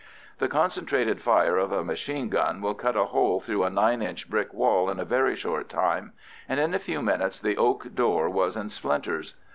The concentrated fire of a machine gun will cut a hole through a nine inch brick wall in a very short time, and in a few minutes the oak door was in splinters.